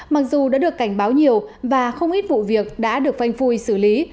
mặc dù đã được cảnh báo nhiều và không ít vụ việc đã được phanh phui xử lý